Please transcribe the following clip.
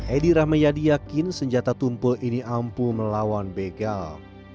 edi rahmayadi yakin senjata tumpul ini ampuh melawan begal